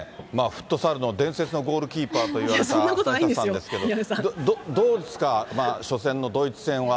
フットサルの伝説のゴールキーパーと言われた畑下さんですけど、どうですか、初戦のドイツ戦は。